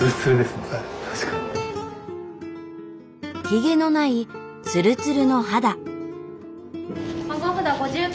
ヒゲのないツルツルの肌。